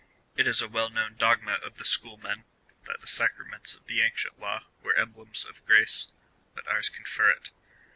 It is a well known dogma of the schoolmen — that the Sacraments of the ancient law were emblems of grace, but ours confer it.